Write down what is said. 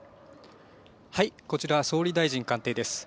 こちら、総理大臣官邸です。